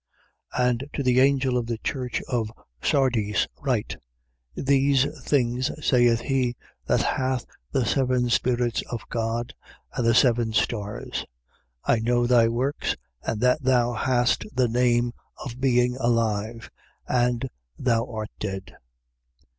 3:1. And to the angel of the church of Sardis write: These things saith he that hath the seven spirits of God and the seven stars: I know thy works, and that thou hast the name of being alive. And thou art dead.